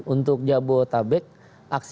untuk jabodetabek aksi